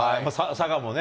佐賀もね。